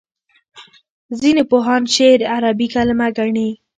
ځینې پوهان شعر عربي کلمه ګڼي.